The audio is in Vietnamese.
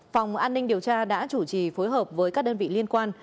phòng an ninh điều tra đã chủ trì phối hợp với các đơn vị liên quan